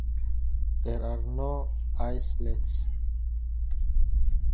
There are no islets.